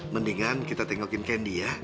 mendingan kita tengokin kendi ya